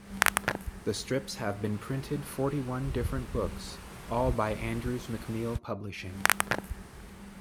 The strips have been printed forty-one different books, all by Andrews McMeel Publishing.